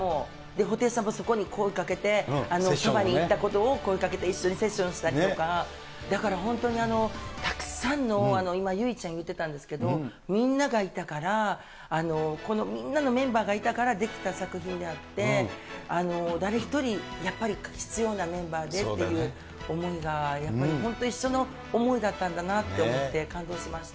布袋さんもそこに声かけて、そばに行ったことを声かけて、一緒にセッションしたりとか、だから本当に、たくさんの今、由依ちゃんがいってたんですけど、みんながいたから、このみんなのメンバーがいたからできた作品であって、誰一人、やっぱり必要なメンバーでっていう思いがやっぱり本当に一緒の思いだったんだなと思って、感動しました。